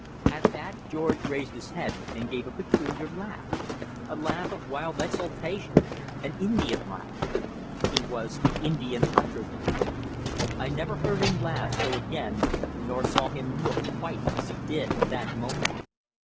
At that George raised his head and gave a peculiar laugh a laugh of wild exultation an Indian laugh. He was the Indian hunter then. I never heard him laugh so again, nor saw him look quite as he did at that moment.